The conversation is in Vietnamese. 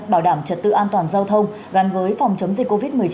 bảo đảm trật tự an toàn giao thông gắn với phòng chống dịch covid một mươi chín